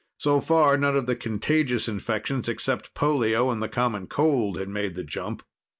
So far, none of the contagious infections except polio and the common cold had made the jump.